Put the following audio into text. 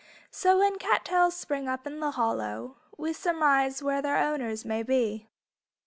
So when cat tails spring up in the hollow We surmise where their owners may be.